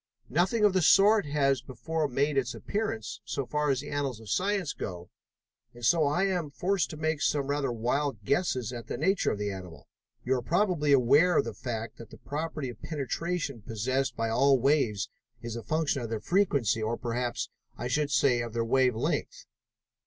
Nothing of the sort has before made its appearance, so far as the annals of science go, and so I am forced to make some rather wild guesses at the nature of the animal. You are probably aware of the fact that the property of penetration possessed by all waves is a function of their frequency, or, perhaps I should say, of their wave length?"